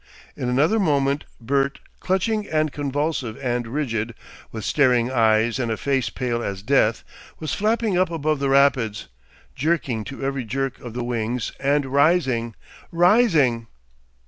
In another moment Bert, clutching and convulsive and rigid, with staring eyes and a face pale as death, was flapping up above the Rapids, jerking to every jerk of the wings, and rising, rising.